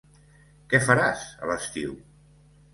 Què faràs a l'estiu?